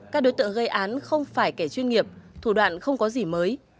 các đối tượng gây án không phải kẻ chuyên nghiệp thủ đoạn không có gì mới